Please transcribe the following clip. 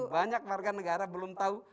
banyak warga negara belum tahu